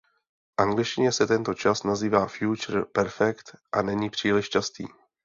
V angličtině se tento čas nazývá "future perfect" a není příliš častý.